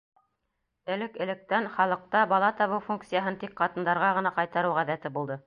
Элек-электән халыҡта бала табыу функцияһын тик ҡатындарға ғына ҡайтарыу ғәҙәте булды.